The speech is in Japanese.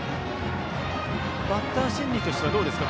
バッター心理としてはどうでしょう？